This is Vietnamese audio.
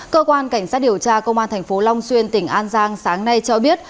cơ quan cảnh sát điều tra công an tp long xuyên tỉnh an giang sáng nay cho biết